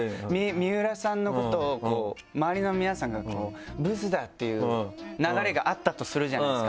水卜さんのことを周りの皆さんが「ブスだ」って言う流れがあったとするじゃないですか。